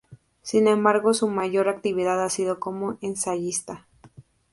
Sin embargo, su mayor actividad ha sido como ensayista.